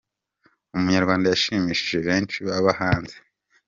umunyarwanda yashimishije benshi baba hanze